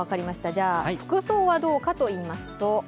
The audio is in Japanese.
じゃあ、服装はどうかといいますと？